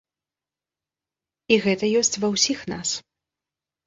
І гэта ёсць ва ўсіх нас.